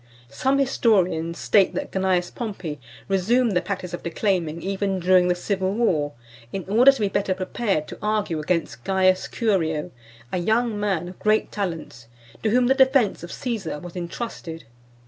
Some historians state that Cneius Pompey resumed the practice of declaiming even during the civil war, in order to be better prepared to argue against Caius Curio, a young man of great talents, to whom the defence of Caesar was entrusted.